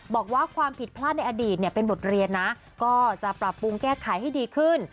บอกว่าความผิดพลาดในอดีตเนี่ยเป็นบทเรียนนะก็จะปรับปรุงแก้ไขให้ดีขึ้น